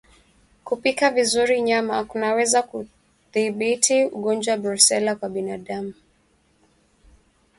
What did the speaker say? Kupika vizuri nyama kunaweza kudhibiti ugonjwa wa Brusela kwa binadamu